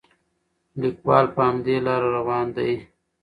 لیکوال په همدې لاره روان دی.